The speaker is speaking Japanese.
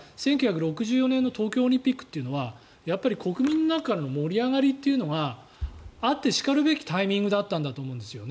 １９６４年の東京オリンピックは国民の中からの盛り上がりというのがあってしかるべきタイミングだったと思うんです。